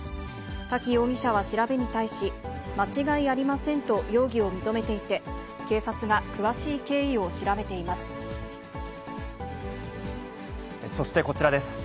滝容疑者は調べに対し、間違いありませんと容疑を認めていて、そしてこちらです。